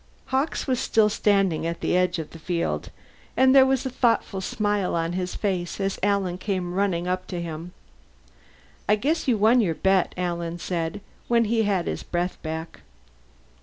Hawkes was still standing at the edge of the field, and there was a thoughtful smile on his face as Alan came running up to him. "I guess you won your bet," Alan said, when he had his breath back.